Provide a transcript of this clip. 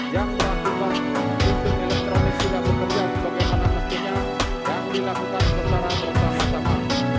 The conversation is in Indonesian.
yang berlaku untuk elektronik sudah bekerja bagaimana mestinya dan dilakukan secara bersama sama